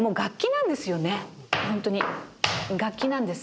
ホントに。